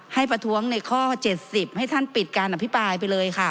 ประท้วงในข้อ๗๐ให้ท่านปิดการอภิปรายไปเลยค่ะ